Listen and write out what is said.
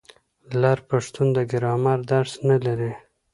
لر پښتون د ګرامر درس نه لري.